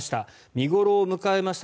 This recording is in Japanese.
見頃を迎えました